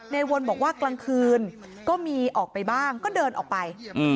วนบอกว่ากลางคืนก็มีออกไปบ้างก็เดินออกไป